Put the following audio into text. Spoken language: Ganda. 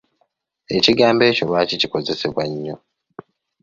Ekigambo ekyo lwaki kikozesebwa nnyo?